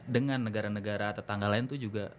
dengan negara negara tetangga lain itu juga